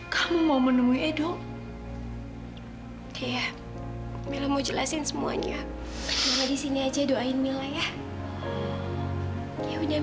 sampai jumpa di video selanjutnya